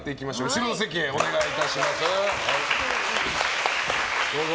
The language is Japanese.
後ろの席へお願いいたします。